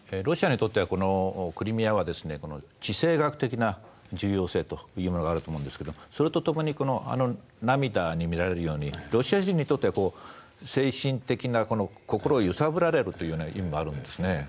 ロシアにとってはこのクリミアは地政学的な重要性があると思うんですけどそれとともにあの涙に見られるようにロシア人にとっては精神的な心を揺さぶられるというような意味もあるんですね。